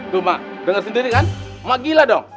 tuh mbak denger sendiri kan emak gila dong